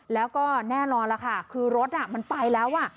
แล้วก็แน่นอนล่ะค่ะคือรถมันไปแล้ว